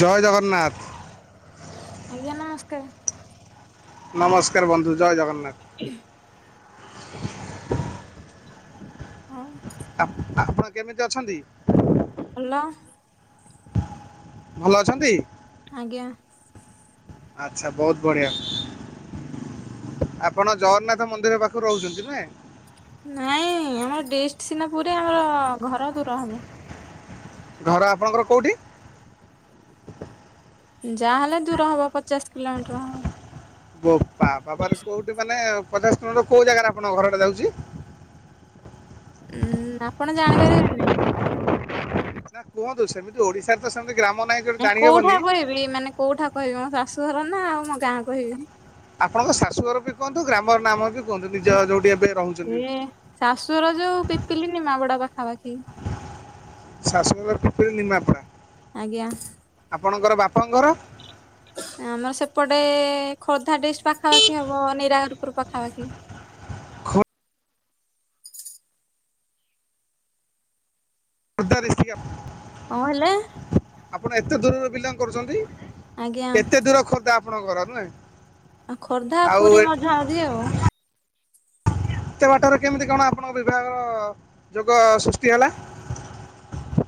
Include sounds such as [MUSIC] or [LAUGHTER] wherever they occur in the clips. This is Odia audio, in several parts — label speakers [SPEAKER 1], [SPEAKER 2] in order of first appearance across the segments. [SPEAKER 1] ଜୟ ଜଗନ୍ନାଥ
[SPEAKER 2] ଆଜ୍ଞା ନମସ୍କାର।
[SPEAKER 1] ନମସ୍କାର ବନ୍ଧୁ ଜୟ ଜଗନ୍ନାଥ।
[SPEAKER 2] ହଁ।
[SPEAKER 1] ଆପ ଆପଣ କେମିତି ଅଛନ୍ତି?
[SPEAKER 2] ଭଲ।
[SPEAKER 1] ଭଲ ଅଛନ୍ତି?
[SPEAKER 2] ଆଜ୍ଞା।
[SPEAKER 1] ଆଚ୍ଛା ବୋହୁତ ବଢ଼ିଆ। ଆପଣ ଜଗନ୍ନାଥ ମନ୍ଦିର ପାଖୁରୁ ରୋହୁଛନ୍ତି ନୁହେଁ?
[SPEAKER 2] ନାଇଁ ଆମର ଡିଷ୍ଟ ସିନା ପୁରୀ ଆମର ଘର ଦୂର ହବ।
[SPEAKER 1] ଘର ଆପଣଙ୍କର କୋଉଠି?
[SPEAKER 2] ଯାହାହେଲେ ଦୂର ହବ ପଚାଶ କିଲୋମିଟର ହବ।
[SPEAKER 1] ବୋପା ବାବାରେ କୋଉଠି ମାନେ ପଚାଶ କିଲୋମିଟର କୋଉ ଜାଗାରେ ଆପଣଙ୍କ ଘରଟା ଯାଉଚି?
[SPEAKER 2] ଉଁ ଆପଣ ଜାଣିପାରିବେନି।
[SPEAKER 1] ନା କୁହନ୍ତୁ ସେମିତି ଓଡିଶାରେ ତ ସେମିତି କି
[SPEAKER 2] ନାଇଁ କୋଉଠା କହିବି ମାନେ କୋଉଠା କହିବି ମୋ ଶାଶୁ ଘର ନା ଆଉ ମୋ ଗାଁ କହିବି?
[SPEAKER 1] ଆପଣଙ୍କ ଶାଶୁ ଘର ବି କୁହନ୍ତୁ ଗ୍ରାମର ନାମ ବି କୁହନ୍ତୁ ନିଜ ଯୋଉଠି ଏବେ ରହୁଛନ୍ତି
[SPEAKER 2] ଏ, ଶାଶୁଘର ଯୋଉ ପିପିଲିି ନିମାପଡା ପାଖାପାଖି।
[SPEAKER 1] ଶାଶୁ [INAUDIBLE] ର ପିପିଲି ନିମାପଡା।
[SPEAKER 2] ଆଜ୍ଞା।
[SPEAKER 1] ଆପଣଙ୍କର ବାପଙ୍କ ଘର?
[SPEAKER 2] ଆମର ସେପଟେଏ-ଏ-ଏ ଖୋର୍ଦ୍ଧା ଡିଷ୍ଟ ପାଖାପାଖି ହବ ନିରାକାର ପୁର ପାଖାପାଖି
[SPEAKER 1] ଖୋର୍ଦ୍ଧା ଡିଷ୍ଟିକ୍ ଆପ୍
[SPEAKER 2] କଣ ହେଲା?
[SPEAKER 1] ଆପଣ ଏତେ ଦୂରରୁ ବିଲଙ୍ଗ୍ କରୁଛନ୍ତି,
[SPEAKER 2] ଆଜ୍ଞା
[SPEAKER 1] ଏତେ ଦୂର ଖୋର୍ଦ୍ଧା ଆପଣଙ୍କ ଘର ନୁହେଁ?
[SPEAKER 2] ଆଉ ଖୋର୍ଦ୍ଧା
[SPEAKER 1] ଆଉ
[SPEAKER 2] ପୁରୀ
[SPEAKER 1] ଏତେ
[SPEAKER 2] ମଝା ମଝି ଆଉ।
[SPEAKER 1] ଏତେ ବାଟରେ କେମିତି କଣ ଆପଣଙ୍କ ବିଭାଗର ଯୋଗ ସୃଷ୍ଟି ହେଲା? [INAUDIBLE]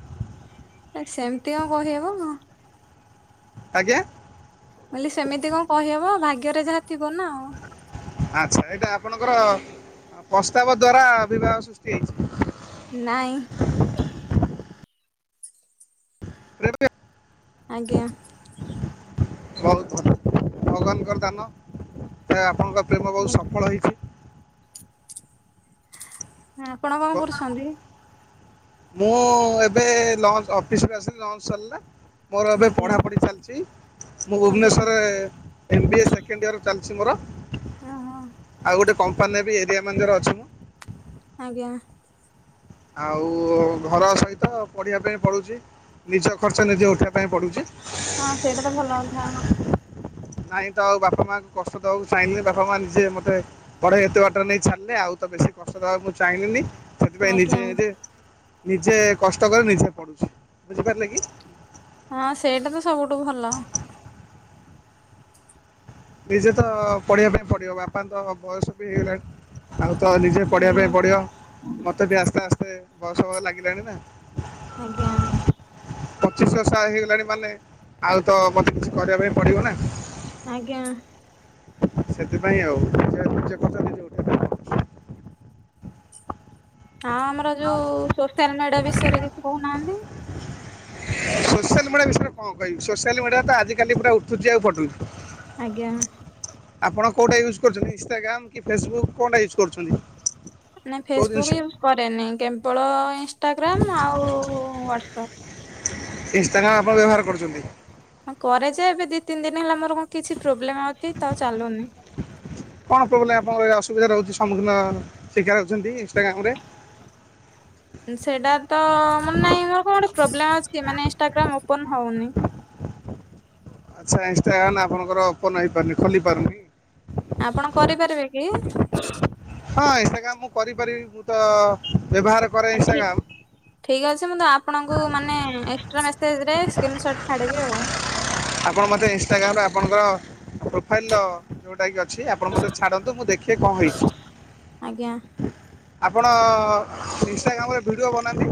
[SPEAKER 2] ନାଇଁ ସେମିତି ଆଉ କହିହେବ କଣ।
[SPEAKER 1] ଆଜ୍ଞା?
[SPEAKER 2] ମୁଁ କହିଲି ସେମିତି କଣ କହିହବ ଭାଗ୍ୟରେ ଯାହା ଥିବ ନା। ଆଉ।
[SPEAKER 1] ହଁ ଆଚ୍ଛା ଏଇଟା ଆପଣଙ୍କର ପସ୍ତାବ ଦ୍ଵାରା ବିବାହ ସୃଷ୍ଟି ହେଇଛି?
[SPEAKER 2] ନାଇଁ।
[SPEAKER 1] [INAUDIBLE]
[SPEAKER 2] ଆଜ୍ଞା।
[SPEAKER 1] ଭଲ ଭଗବାନଙ୍କର ଦାନ ଆପଣଙ୍କ ପ୍ରେମ ବହୁତ ସଫଳ ହେଇଛି।
[SPEAKER 2] ଆପଣ କଣ କରୁଛନ୍ତି?
[SPEAKER 1] ମୁଁ ଏବେ ଲଞ୍ଚ, ଅଫିସରୁୁ ଆସିଲି ଲଞ୍ଚ ସରିଲା। ମୋର ଏବେ
[SPEAKER 2] ଆଜ୍ଞା
[SPEAKER 1] ପଢ଼ାପଢ଼ି ଚାଲିଛି ମୁଁ
[SPEAKER 2] ଆଜ୍ଞା
[SPEAKER 1] ଭୁବନେଶ୍ୱରରେ M B A second year ଚାଲିଛି ମୋର
[SPEAKER 2] ଓହୋ
[SPEAKER 1] ଆଉ ଗୋଟେ କମ୍ପାନୀରେ ବି ଏରିଆ ମ୍ୟାନେଜର ଅଛି ମୁଁ।
[SPEAKER 2] ଆଜ୍ଞା।
[SPEAKER 1] ଆଉ ଘର ସହିତ ପଢିବା ପାଇଁ ପଡୁଛି। ନିଜ ଖର୍ଚ୍ଚ ନିଜେ ଉଠେଇବା ପାଇଁ ପଡୁଛି।
[SPEAKER 2] ହଁ ସେଇଟା ତ ଭଲ କଥା।
[SPEAKER 1] [INAUDIBLE] ନାଇଁ ତ ଆଉ ବାପା ମାଆଙ୍କୁ କଷ୍ଟ ଦେବାକୁ ଚାହିଁଲିନି, ବାପା ମାଆ ନିଜେ ମତେ ପଢେଇ ଏତେ ବାଟରେ ନେଇ ଛାଡିଲେ ଆଉ ତ ବେଶୀ କି କଷ୍ଟ ଦେବାକୁ ମୁଁ ଚାହିଁଲିନି। ସେଥିପାଇଁ ନିଜେ
[SPEAKER 2] ଆଜ୍ଞା
[SPEAKER 1] ନିଜେ ନିଜେ କଷ୍ଟକରି ନିଜେ ପଡୁଛି ବୁଝିପାରିଲେ କି?
[SPEAKER 2] ହଁ ସେଇଟା ତ ସବୁଠୁ ଭଲ।
[SPEAKER 1] ନିଜେ ତ ପଢିବା ପାଇଁ ପଡିବ ବାପାଙ୍କ ତ ବୟସ ବି ହେଇଗଲାଣି। ଆଉ ତ ନିଜେ ପଢ଼ିବା
[SPEAKER 2] ଆଜ୍ଞା
[SPEAKER 1] ପାଇଁ ପଡିବ, ମୋତେ ବି ଆସ୍ତେ ଆସ୍ତେ ବୟସ ଲାଗିଲାଣି ନା।
[SPEAKER 2] ଆଜ୍ଞା।
[SPEAKER 1] ପଚିଶ ବର୍ଷ ହେଇଗଲାଣି ମାନେ ଆଉ ତ ମତେ କିଛି କରିବା ପାଇଁ ପଡିବ ନା।
[SPEAKER 2] ଆଜ୍ଞା।
[SPEAKER 1] ସେଥିପାଇଁ ଆଉ, ନିଜେ ନିଜ ଖର୍ଚ୍ଚ ନିଜେ ଉଠେଇବା ପାଇଁ ପଡ଼ୁଛି।
[SPEAKER 2] ହଁ ଆମର ଯୋଉ ସୋସିଆଲ ମିଡିଆ ବିଷୟରେ କିଛି କହୁନାହାନ୍ତି?
[SPEAKER 1] ସୋସିଆଲ ମିଡିଆ ବିଷୟରେ କଣ କହିବି ସୋସିଆଲ ମିଡିଆ ତ ଆଜିିକାଲି ପୁରା ଉଠୁଛି ଆଉ ପଡୁ
[SPEAKER 2] ଆଜ୍ଞା।
[SPEAKER 1] ଆପଣ କୋଉଟା ୟୁଜ୍ କରୁଛନ୍ତି ଇନଷ୍ଟଟାଗ୍ରାମ୍ କି ଫେସବୁକ୍ କଣଟା ୟୁଜ୍ କରୁଛନ୍ତି?
[SPEAKER 2] ନାଇଁ
[SPEAKER 1] କୋଉ ଜିନିଷ
[SPEAKER 2] ଫେସବୁକ୍ ୟୁଜ୍ କରେନି କେବଳ ଇନ୍ ଇନଷ୍ଟାଗ୍ରାମ୍ ଆଉ-ଉ-ଉ ହ୍ବାଟ୍ସଆପ୍।
[SPEAKER 1] ଇନଷ୍ଟାଗ୍ରାମ୍ ଆପଣ ବ୍ୟବହାର କରୁଛନ୍ତି?
[SPEAKER 2] ହଁ କରେ ଯେ ଏବେ ଦି ତିନି ଦିନ ହେଲା ମୋର କଣ କିଛି ପ୍ରୋବ୍ଲେମ୍ [INAUDIBLE] ଚାଲୁନି।
[SPEAKER 1] କଣ ପୋବ୍ଲେମ୍ ଆପଣଙ୍କର ଅସୁବିଧା ରହୁଛି ସମ୍ମୁଖୀନ [UNINTELLIGIBLE] ଇନଷ୍ଟାଗ୍ରାମରେ?
[SPEAKER 2] ସେଇଟା ତ ମାନେ ନାଇଁ ମୋର କଣ ଗୋଟେ ପ୍ରୋବ୍ଲେମ୍ ଅଛକି ମାନେ ଇନ୍ସ୍ଟାଗ୍ରାମ୍ ଓପନ୍ ହୋଉନି।
[SPEAKER 1] ଆଚ୍ଛା ଇନଷ୍ଟାଗ୍ରାନ୍ ଆପଣଙ୍କର ଓପନ୍ ହେଇପାରୁନି ଖୋଲି ପାରୁନି।
[SPEAKER 2] ଆପଣ କରିପାରିବେ କି?
[SPEAKER 1] ହ ଇନ୍ସ୍ଟାଗ୍ରାମ୍ ମୁଁ କରିପାରିବି ମୁଁ ତ ବ୍ୟବହାର କରେ
[SPEAKER 2] ଠିକ
[SPEAKER 1] ଇନ୍ଷ୍ଟାଗ୍ରାମ୍।
[SPEAKER 2] ଠିକ୍ ଅଛି ମୁଁ ତ ଆପଣଙ୍କୁ ମାନେ ଏକ୍ଟ୍ରା ମେସେଜ୍ ରେ ସ୍କ୍ରିନ୍ ସଟ୍ ଛାଡିବି ଆଉ।
[SPEAKER 1] ଆପଣ ମୋତେ ଇନ୍ଷ୍ଟାଗ୍ରାମ୍ ର ଆପଣଙ୍କର ପ୍ରୋଫାଇଲ୍ ର ଅଛି ଆପଣ ମତେ ଛାଡନ୍ତୁ ମୁଁ ଦେଖେ କଁ ହେଇଚି।
[SPEAKER 2] ଆଜ୍ଞା
[SPEAKER 1] ଆପଣ ଇନଷ୍ଟାଗ୍ରାମ୍ ରେ ଭିଡ଼ିଓ ବନାନ୍ତି?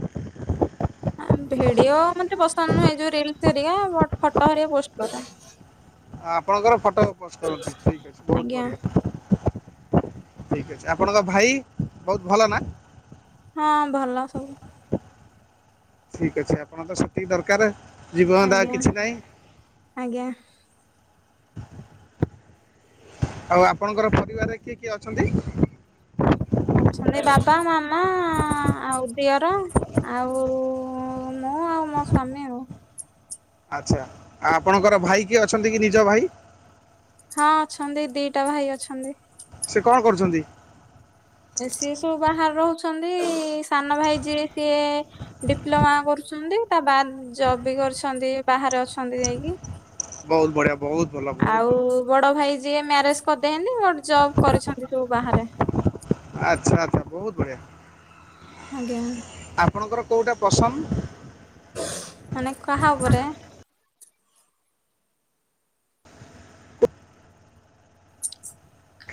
[SPEAKER 2] ଭିଡିଓ ମତେ ପସନ୍ଦ୍ ନୁହେଁ ଯୋଉ ରଲ୍ସ୍ ହରିକା ବଟ୍ ଫଟ ହରିଆ ପୋଷ୍ଟର କରେ।
[SPEAKER 1] ଆ ଆପଣଙ୍କର ଫଟ ପୋସ୍ଟ୍ କରନ୍ତି ଠିକ୍ ଅଛି ବୋହୁତ୍
[SPEAKER 2] ଆଜ୍ଞା
[SPEAKER 1] ବଢ଼ିଆ। ଠିକ ଅଛି ଆପଣଙ୍କ ଭାଇ ବହୁତ୍ ଭଲ ନା?
[SPEAKER 2] ହଁ ଭଲ ସବୁ।
[SPEAKER 1] ଠିକ ଅଛି ଆପଣ ତ ସେତିକି ଦର୍ କାରେ। ଜୀବଧନ୍ଦା
[SPEAKER 2] ଆଜ୍ଞା
[SPEAKER 1] କିଛି ନାଇଁ
[SPEAKER 2] ଆଜ୍ଞା।
[SPEAKER 1] ଆଉ ଆପଣଙ୍କର ପରିବାରରେ କିଏ କିଏ ଅଛନ୍ତି?
[SPEAKER 2] ଅଛନ୍ତି ବାବା ମାମା ଆଉ ଦିଅର ଆଉ ଉ ମୁଁ ଆଉ ମୋ ସ୍ଵାମୀ ଆଉ।
[SPEAKER 1] ଆଚ୍ଛା ଆପଣଙ୍କର ଭାଇ କିଏ ଅଛନ୍ତି କି ନିଜ ଭାଇ?
[SPEAKER 2] ହଁ ଅଛନ୍ତି ଦିଟା ଭାଇ ଅଛନ୍ତି।
[SPEAKER 1] ସେ କଣ କରଚନ୍ତି?
[SPEAKER 2] ସିଏ ସବୁ ବାହାରେ ରହୁଛନ୍ତି ସାନ ଭାଇ ଯିଏ ସିଏ ଡିପ୍ଲୋମା କରୁ ଛନ୍ତି ତା ବାଦ୍ ଜବ୍ ବି କରିଚନ୍ତି ବାହାରେ ଅଛନ୍ତି ଯାଇଁକି।
[SPEAKER 1] ବହୁତ୍ ବଢିଆ।
[SPEAKER 2] ଆଉ ବଡ ଭାଇ ଯିଏ ମ୍ୟାରେଜ୍ କରିଦେଇଅନ୍ତି ବଟ୍ ଜବ୍ କରିଛନ୍ତି ସବୁ ବାହାରେ।
[SPEAKER 1] ଆଚ୍ଛା ଆଚ୍ଛା ବୋହୁତ୍ ବଢିଆ।
[SPEAKER 2] ଆଜ୍ଞା।
[SPEAKER 1] ଆପଣଙ୍କର କେଉଁଟା ପସନ୍ଦ୍?
[SPEAKER 2] ମାନେ କାହା ଉପରେ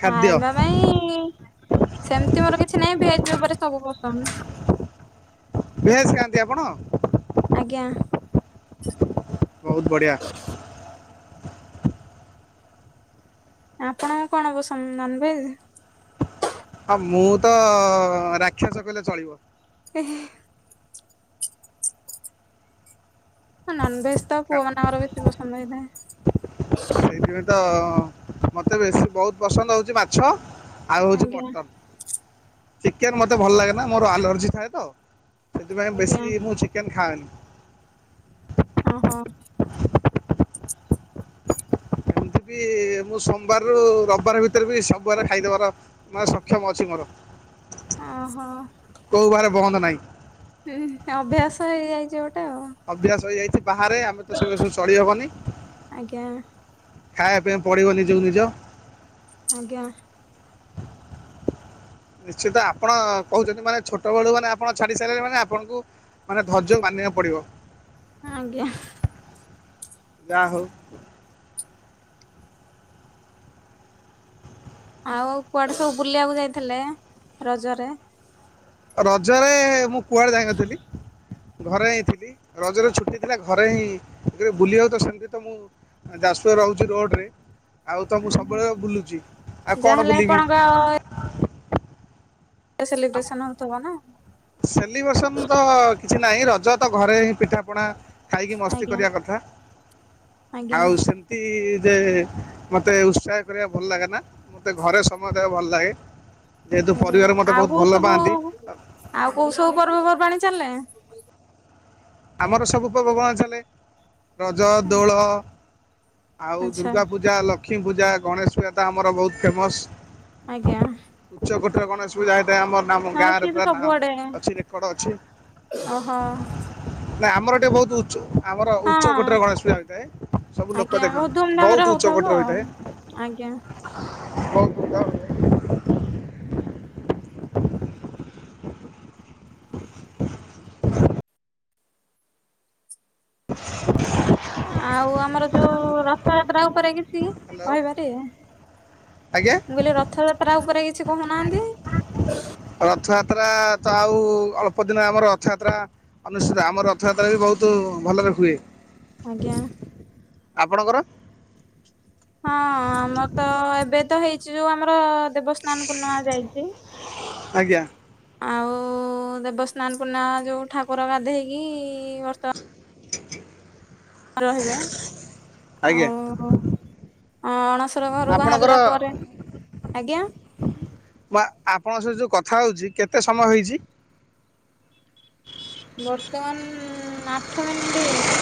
[SPEAKER 1] ଖାଦ୍ୟ
[SPEAKER 2] ପାଇଁ ସେମିତି ମୋର କିଛି ନହିଁ ଭେଜ ଉପରେ ସବୁ ପସନ୍ଦ୍।
[SPEAKER 1] ଭେସ୍ ଖାଆନ୍ତି ଆପଣ?
[SPEAKER 2] ଆଜ୍ଞା।
[SPEAKER 1] ବୋହୁତ୍ ବଢ଼ିଆ।
[SPEAKER 2] ଆପଣଙ୍କ କଣବ ସ ନନ୍ ଭେଦରେ।
[SPEAKER 1] ହଁ ମୁଁ ତ ରାକ୍ଷାସ କହିଲେ ଚଳିବ।
[SPEAKER 2] ଏହ୍। ହଁ ନନ୍ ଭେସ୍ ତ ପୁଅମାନକର ବି ତିବ ସମଦାଏ।
[SPEAKER 1] ସେଇଥିପାଇଁ ତ ମତେ ବେଶୀ ବହୁତ୍ ପସନ୍ଦ୍ ହୋଉଛି ମାଛ। ଆଉ ହଉଛି
[SPEAKER 2] ଆଜ୍ଞା
[SPEAKER 1] ମଟନ୍ ଚିକେନ ମତେ ଭଲ ଲାଗେ ନା ମୋର ଆଲର୍ଜି ଥାଏ ତ। ସେଥିପାଇଁ
[SPEAKER 2] ଆଜ୍ଞା
[SPEAKER 1] ବେଶୀ ମୁଁ ଚିକେନ୍ ଖାଏନି।
[SPEAKER 2] ଓହୋ
[SPEAKER 1] ଏଥି ବି ମୁଁ ସୋମବାରରୁ ରବିବାର ଭିତରେ ବି ସବୁଆରେ ଖାଇଦେବାର ମାଏ ସକ୍ଷମ ଅଛି ମୋର।
[SPEAKER 2] ଓ ହୋ।
[SPEAKER 1] କୋଉ ବାର ବନ୍ଦ ନହିଁ।
[SPEAKER 2] ହୁଁ ଅଭ୍ୟାସ ହେଇଯାଇଛି ଗୋ
[SPEAKER 1] ଅଭ୍ୟାସ ହେଇଯାଇଛି ବାହାରେ ଆମେ ତ ସବୁ ଏ ଚଳିହବନି।
[SPEAKER 2] ଆଜ୍ଞା
[SPEAKER 1] ଖାଇବା ପାଇଁ ପଡିବ ନିଜକୁ ନିଜ।
[SPEAKER 2] ଆଜ୍ଞା।
[SPEAKER 1] ନିଶ୍ଚିତ ଆପଣ କୋହୁଛନ୍ତି ମାନେ ଛୋଟ ବେଳୁ ମାନେ ଆପଣ ଛାଡି ସାରିଲେ ମାନେ ଆପଣଙ୍କୁ ମାନେ ଧର୍ଯ୍ୟ ମାନିବାକୁ ପଡିବ।
[SPEAKER 2] ଆଜ୍ଞା।
[SPEAKER 1] ଯା ହୋଉ।
[SPEAKER 2] ଆଉ କୁଆଡେ ସବୁ ବୁଲିବାକୁ ଯାଇଥିଲେ ରଜରେ?
[SPEAKER 1] ରଜରେ ମୁଁ କୁଆଡେ ଯାଇ ନଥିଲି। ଘରେ ହେଇ ଥିଲି ରଜରେ ଛୁଟି ଥିଲା ଘରେ ହିଁ ବୁଲିିବାକୁ ତ ସେମିତି ତ ମୁଁ ଯାଜପୁର ରହୁଛି ରୋଡରେ। ଆଉ ତ ମୁଁ ସବୁବେଳେ ବୁଲୁଛି ଆଉ କଣ
[SPEAKER 2] ଯାହାହେଲେ
[SPEAKER 1] ବୁଲିବି?
[SPEAKER 2] ଆପଣଙ୍କ ତ ସେଲିବ୍ରେସନ ହଉଥିବ ନା?
[SPEAKER 1] ସେଲିବ୍ରେସନ ତ କିଛି ନାହିଁ ରଜ ତ ଘରେ ହିଁ ପିଠା ପଣା ଖାଇକି ମସ୍ତି
[SPEAKER 2] ଆଜ୍ଞା।
[SPEAKER 1] କରିବା କଥା
[SPEAKER 2] ଆଜ୍ଞା
[SPEAKER 1] ଆଉ ସେମିତି ଯେ ମୋତେ ଉତ୍ସାହ କରିବା ଭଲ ଲାଗେ ନା ମୋତେ ଘରେ ସମୟ ଦେବା ଭଲ ଲାଗେ। ଯେହେତୁ
[SPEAKER 2] ଆଜ୍ଞା
[SPEAKER 1] ପରିବାର ମତେ
[SPEAKER 2] ଆଉ
[SPEAKER 1] ବହୁତ
[SPEAKER 2] କୋଉ
[SPEAKER 1] ଭଲ
[SPEAKER 2] ସବୁ
[SPEAKER 1] ପାଆନ୍ତି।
[SPEAKER 2] ଆଉ କୋଉ ସବୁ ପର୍ବପର୍ବାଣୀ ଚାଲେ?
[SPEAKER 1] ଆମର ସବୁ ପର୍ବ ପର୍ବାଣୀ ଚାଲେ। ରଜ ଦୋଳ ଆଉ
[SPEAKER 2] ଆଚ୍ଛା
[SPEAKER 1] ଦୁର୍ଗା ପୂଜା ଲକ୍ଷ୍ମୀ ଲକ୍ଷ୍ମୀ ପୂଜା ଗଣେଶ ପୂଜା ତ ଆମର ବହୁତ ଫେମସ୍।
[SPEAKER 2] ଆଜ୍ଞା।
[SPEAKER 1] ଏଥର ଗଣେଶ ପୂଜା ଆମର
[SPEAKER 2] ହଁ
[SPEAKER 1] ଗାଁରେ
[SPEAKER 2] ସିଏ ତ
[SPEAKER 1] ପୁରା
[SPEAKER 2] ସବୁଆଡେ
[SPEAKER 1] ଅଛି ରେକର୍ଡ ଅଛି।
[SPEAKER 2] ଓହୋ।
[SPEAKER 1] ନାଇଁ ଆମର ଟିକେ ଉଚ୍ଚ ଆମର
[SPEAKER 2] ହଁ
[SPEAKER 1] ଉଚ୍ଚକୋଟୀର ଗଣେଶ ପୂଜା ହୋଇଥାଏ ସବୁ ଲୋକ
[SPEAKER 2] ଆଜ୍ଞା ବହୁତ
[SPEAKER 1] ଦେଖନ୍ତି
[SPEAKER 2] ଧୁମଧାମ ରେ
[SPEAKER 1] ବହୁତ
[SPEAKER 2] ହଉଥିବ
[SPEAKER 1] ଉଚ୍ଚକୋଟୀର
[SPEAKER 2] ଆଉ
[SPEAKER 1] ହୋଇଥାଏ।
[SPEAKER 2] ଆଜ୍ଞା।
[SPEAKER 1] ବହୁ [INAUDIBLE] [INAUDIBLE]
[SPEAKER 2] ଆଉ ଆମର ଯୋଉ ରଥଯାତ୍ରା ଉପରେ କି
[SPEAKER 1] ହ୍ୟାଲୋ
[SPEAKER 2] କହିବାର ଏଇଆ
[SPEAKER 1] ଆଜ୍ଞା
[SPEAKER 2] ମୁଁ କହିଲି ରଥଯାତ୍ରା ଉପରେ କିଛି କୋହୁ ନାହାନ୍ତି [INAUDIBLE]
[SPEAKER 1] ରଥଯାତ୍ରା ତ ଆଉ ଅଳ୍ପ ଦିନ ଆମର ରଥଯାତ୍ରା ଅନୁଷ୍ଠିତ ଆମର ରଥଯାତ୍ରା ବି ବହୁତ ବହୁତ ଭଲରେ ହୁଏ।
[SPEAKER 2] ଆଜ୍ଞା।
[SPEAKER 1] ଆପଣଙ୍କର?
[SPEAKER 2] ହଁ ଆମର ତ ଏବେ ତ ହେଇଛି ଯୋଉ ଆମର ଦେବସ୍ନାନ ପୂର୍ଣ୍ଣିମା ଯାଇଛି।
[SPEAKER 1] ଆଜ୍ଞା
[SPEAKER 2] ଆଉ ଦେବସ୍ନାନ ପୂର୍ଣ୍ଣା ଯୋଉଁ ଠାକୁର ଗାଧେଇକି ବର୍ଷମାନ ରହିବେ।
[SPEAKER 1] ଆଜ୍ଞା [INAUDIBLE]
[SPEAKER 2] ଅ ଅଣସର ଘରୁ
[SPEAKER 1] ଆପଣଙ୍କର
[SPEAKER 2] ବାହାରିଲା ପରେ ଆଜ୍ଞା?
[SPEAKER 1] ବା ଆପଣଙ୍କ ସହି ଯୋଉ କଥା ହଉଛି କେତେ ସମୟ ହେଇଛି?
[SPEAKER 2] ବର୍ତ୍ତମାନ ଆଠ ମିନିଟ ହେଇଛି।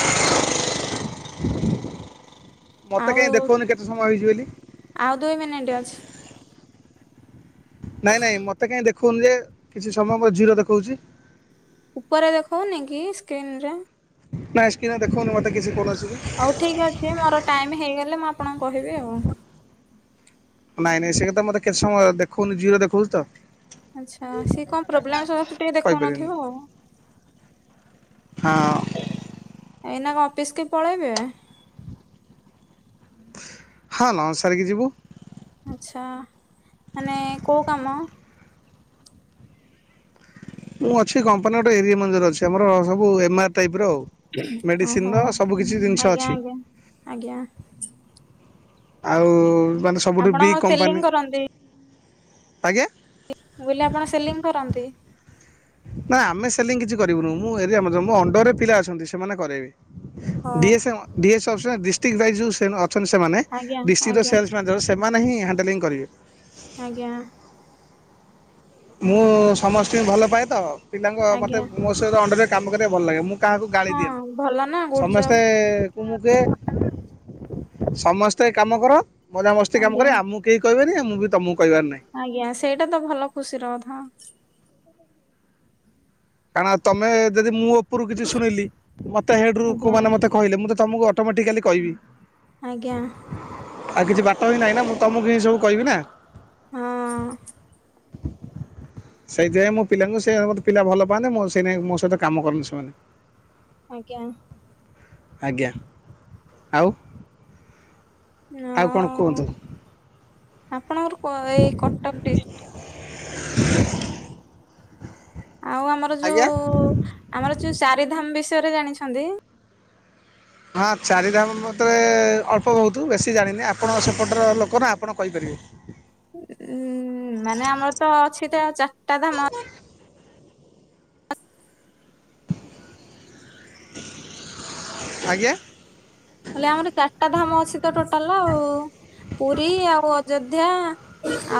[SPEAKER 1] [INAUDIBLE] ମତେ
[SPEAKER 2] ଆଉ
[SPEAKER 1] କାହିଁ ଦେଖଉନି କେତେ ସମୟ ହେଇଛି ବୋଲି?
[SPEAKER 2] ଆଉ ଦୁଇ ମିନିଟ ଅଛି।
[SPEAKER 1] ନାଇଁ ନାଇଁ ମୋତେ କାହିଁ ଦେଖଉନି ଯେ କିଛି ସମୟ ମୋର ଜିରୋ ଦେଖଉଛି।
[SPEAKER 2] ଉପରେ ଦେଖାଉନି କି ସ୍କ୍ରିନ ରେ?
[SPEAKER 1] ନାଇ ସ୍କ୍ରିନ୍ ଦେଖଉନି ମତେ କିଛି କୌଣସି
[SPEAKER 2] ହଉ ଠିକ ଅଛି ମୋର ଟାଇମ ହେଇଗଲେ ମୁଁ ଆପଣଙ୍କୁ କହିବି ଆଉ।
[SPEAKER 1] ନାଇଁ ନାଇଁ ସେ କ ତ ମତେ କେତେ ସମୟ ଦେଖଉନି ଜିରୋ ଦେଖଉଛି ତ।
[SPEAKER 2] ଆଚ୍ଛା ସିଏ କଣ ପ୍ରୋବ୍ଲେମସ୍ତ ଟିକେ
[SPEAKER 1] କହିପାରିବିନି
[SPEAKER 2] ଦେଖାଉନଥିବ ଆଉ।
[SPEAKER 1] ହଁ
[SPEAKER 2] ଏଇନା କେ ଅଫିସ କି ପଳେଇବେ?
[SPEAKER 1] ହଁ ନମ ସାରିକି ଯିବୁ।
[SPEAKER 2] ଆଚ୍ଛା ମାନେ କୋଉ କାମ?
[SPEAKER 1] ମୁଁ ଅଛି କମ୍ପାନୀ ଗୋଟେ ଏରିଆ ମ୍ୟାନେଜର ଅଛି ଆମର ସବୁ ଏମ ଆର ଟାଇପ ର ଆଉ। ମେଡିସିନ୍
[SPEAKER 2] ଓହୋ।
[SPEAKER 1] ସବୁକିଛି ଜିନିଷ
[SPEAKER 2] ଆଜ୍ଞା
[SPEAKER 1] ଅଛି।
[SPEAKER 2] ଆଜ୍ଞା ଆଜ୍ଞା
[SPEAKER 1] ଆଉ-ଉ-ଉ-ଉ ମାନେ ସବୁଠୁ
[SPEAKER 2] ଆପଣ
[SPEAKER 1] ବିଗ୍
[SPEAKER 2] କଣ ସେଲିଂ
[SPEAKER 1] କମ୍ପାନୀ ଆଜ୍ଞା
[SPEAKER 2] ବୋଲେ ଆପଣ ସେଲିଂ କରନ୍ତି?
[SPEAKER 1] ନା ଆମେ ସେଲିଂ କିଛି କରିବୁନୁ ମୁଁ ଏ ଅଣ୍ଡରରେ ପିଲା ଅଛନ୍ତି ସେମାନେ କରେଇବେ
[SPEAKER 2] ହଁ
[SPEAKER 1] । [UNINTELLIGIBLE] ଅଛନ୍ତି ସେମାନେ
[SPEAKER 2] ଆଜ୍ଞା
[SPEAKER 1] ଡିଷ୍ଟ୍ରିକ୍ଟର
[SPEAKER 2] ଆଜ୍ଞା
[SPEAKER 1] ସେଲ୍ସ ମ୍ୟାନଜର ସେମାନେ ହିଁ ହ୍ୟାଣ୍ଡେଲିଙ୍ଗ କରିବେ ।
[SPEAKER 2] ଆଜ୍ଞା।
[SPEAKER 1] ମୁଁ ସମସ୍ତଙ୍କୁ ଭଲ ପାଏ ତ ପିଲାଙ୍କ ମତେ
[SPEAKER 2] ଆଜ୍ଞା
[SPEAKER 1] ମୋ ସହିତ ଅଣ୍ଡରେ କାମ କରିବାକୁ ଭଲ ଲାଗେ ମୁଁ କାହାକୁ ଗାଳି ଦିଏ
[SPEAKER 2] ହଁ
[SPEAKER 1] ନା
[SPEAKER 2] ଭଲ ନା ଗୁଡ୍ ଜବ୍।
[SPEAKER 1] ସମସ୍ତେ-ଏ-ଏ-ଏ ତୁ ମୁ କେ ସମସ୍ତେ କାମ କର ମଜା ମସ୍ତି କାମ
[SPEAKER 2] ଆଜ୍ଞା
[SPEAKER 1] କରେ। ଆମକୁ କେହି କହିବେନି ମୁଁ ବି ତମକୁ କହିବାର ନାହିଁ
[SPEAKER 2] ଆଜ୍ଞା ସେଇଟା ତ ଭଲ ଖୁସିର କଥା ।
[SPEAKER 1] କାରଣ ତମେ ଯଦି ମୁଁ ଉପରୁ କିଛି ଶୁଣିଲି ମତେ ହେଡ ରୁ ଲୋକ
[SPEAKER 2] ଆଜ୍ଞା।
[SPEAKER 1] ମାନେ ମତେ କହିଲେ ମୁଁ ତ ତମକୁ ଅଟୋମେଟିକାଲି କହିବି।
[SPEAKER 2] ଆଜ୍ଞା ।
[SPEAKER 1] ଆଉ କିଛି ବାଟ ହି ନାହିଁ ନା ମୁଁ ତମକୁ ହିଁ ସବୁ କହିବି ନା।
[SPEAKER 2] ହଁ ।
[SPEAKER 1] ସେଇଥିପାଇଁ ମୁଁ ପିଲାଙ୍କୁ ସେ ମୋତେ ପିଲା ଭଲ ମାନେ ମଁ ସେ ମୋ ସହିତ କାମ କରନି ସେମାନେ ।
[SPEAKER 2] ଆଜ୍ଞା ।
[SPEAKER 1] ଆଜ୍ଞା ଆଉ ଆଉ କଣ କୁହନ୍ତୁ?
[SPEAKER 2] ଆପଣଙ୍କର କ ଏଇ କଟକ ଡିଷ୍ଟ
[SPEAKER 1] [UNINTELLIGIBLE]
[SPEAKER 2] ଆଉ ଆମର
[SPEAKER 1] ଆଜ୍ଞା
[SPEAKER 2] ଯୋଉ-ଉ-ଉ ଆମର ଯୋଉ ଚାରିଧାମ ବିଷୟରେ ଜାଣିଛନ୍ତି?
[SPEAKER 1] ହଁ ଚାରିଧାମ ମତେ-ଏ-ଏ-ଏ ଅଳ୍ପ ବହୁତ ବେଶୀ ଜାଣିନି ଆପଣ ସେପଟର ଲୋକ ନା ଆପଣ କହିପାରିବେ । ହ [UNINTELLIGIBLE]
[SPEAKER 2] ଉଁ-ଉ-ଉ-ଉ ମାନେ ଆମର ତ ଅଛି ତ ଚାରିଟା ଧାମ
[SPEAKER 1] ଆଜ୍ଞା
[SPEAKER 2] ହେଲେ ଆମର ଚାରିଟା ଧାମ ଅଛି ତ ଟୋଟାଲ ଆଉ-ଉ-ଉ ପୁରୀ ଆଉ ଅଯୋଧ୍ୟା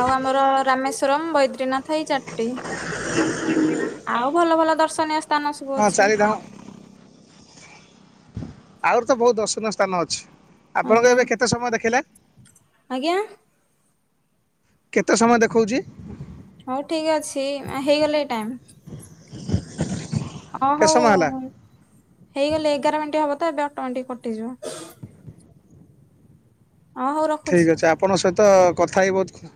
[SPEAKER 2] ଆଉ ଆମର ରାମେଶ୍ଵରମ, ବୈଦ୍ରୀନାଥ ଏଇ ଚାରିଟି ।
[SPEAKER 1] ହଁ [UNINTELLIGIBLE]
[SPEAKER 2] ଆଉ ଭଲ ଭଲ ଦର୍ଶନୀୟ ସ୍ଥାନ ସବୁ
[SPEAKER 1] ହଁ
[SPEAKER 2] ଅଛି ।
[SPEAKER 1] ଚାରିଧାମ ଆହୁର ତ ବହୁତ ଦର୍ଶନୀୟ ସ୍ଥାନ ଅଛି ଆପଣଙ୍କ
[SPEAKER 2] ଆଜ୍ଞା
[SPEAKER 1] ଏବେ କେତେ ସମୟ ଦେଖିଲା?
[SPEAKER 2] ଆଜ୍ଞା?
[SPEAKER 1] କେତେ ସମୟ ଦେଖଉଛି?
[SPEAKER 2] ହଉ ଠିକ ଅଛି ହେଇଗଲାଇ ଟାଇମ।
[SPEAKER 1] [UNINTELLIGIBLE]
[SPEAKER 2] ଅ ହଉ
[SPEAKER 1] କେତେ ସମୟ ହେଲା?
[SPEAKER 2] ହେଇଗଲେ ଏଗାର ମିନିଟ ହବ । ତ ଏବେ ଅଟୋମେଟିକ କଟିଯିବ । ରଖୁଛି
[SPEAKER 1] ଠିକ୍ ଅଛି ଆପଣଙ୍କ ସହିତ କଥା ହେଇ ବହୁତ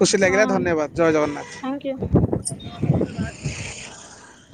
[SPEAKER 1] ଖୁସି ଲାଗିଲା
[SPEAKER 2] ହଁ।
[SPEAKER 1] ଧନ୍ୟବାଦ ଜୟ
[SPEAKER 2] ଥ୍ୟାଙ୍କ ୟୁ
[SPEAKER 1] ଜଗନ୍ନାଥ ।